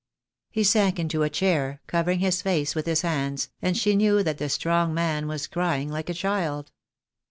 He sank into a chair, covering his face with his hands, and she knew that the strong man was crying like a child.